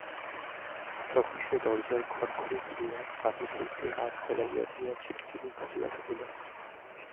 তখন সে দরজার খড়খড়ি খুলিয়া বাহির হইতে হাত গলাইয়া দিয়া ছিটকিনি খুলিয়া ফেলিল।